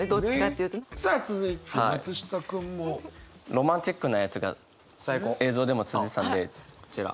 ロマンチックなやつが映像でも続いてたんでこちら。